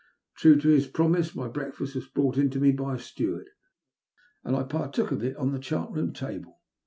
True to his promise, my breakfast was brought to me by a steward, and I partook of it on the chart room table.